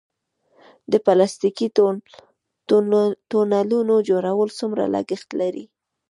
د پلاستیکي تونلونو جوړول څومره لګښت لري؟